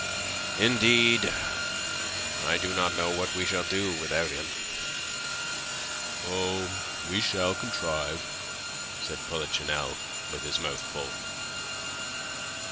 "Indeed, I do not know what we shall do without him." "Oh, we shall contrive," said Polichinelle, with his mouth full.